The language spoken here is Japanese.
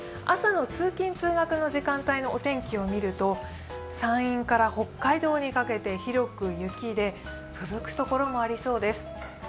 朝の通勤通学の時間帯のお天気を見ると、山陰から北海道にかけて広く雪でふぶくところもありそうです。